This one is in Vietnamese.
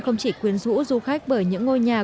không chỉ quyến rũ du khách bởi những ngôi nhà